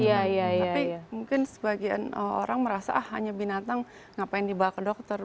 tapi mungkin sebagian orang merasa ah hanya binatang ngapain dibawa ke dokter